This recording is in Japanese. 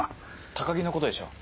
高木のことでしょう？